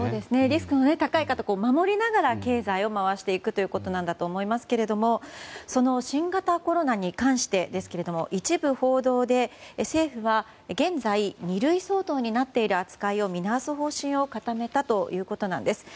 リスクの高い方を守りながら経済を回していくということなんだと思いますけどもその新型コロナに関してですけど一部報道で政府は現在二類相当になっている扱いを見直す方針を固めたということなんです。